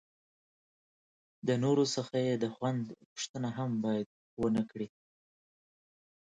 د نورو څخه یې د خوند پوښتنه هم باید ونه کړي.